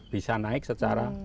bisa naik secara